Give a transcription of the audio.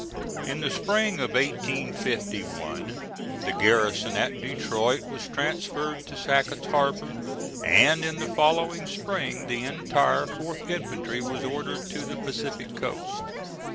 In the spring of 1851 the garrison at Detroit was transferred to Sackett's Harbor, and in the following spring the entire 4th infantry was ordered to the Pacific Coast.